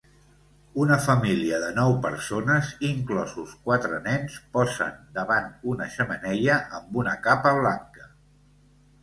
Una família de nou persones, inclosos quatre nens, posen davant una xemeneia amb una capa blanca